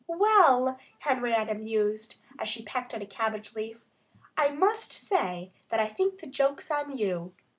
"Well," Henrietta mused, as she pecked at a cabbage leaf, "I must say that I think the joke's on you."